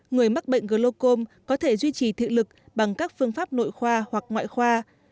người mắc bệnh glocom có thể duy trì thị lực bằng các phương pháp nội khoa hoặc ngoại khoa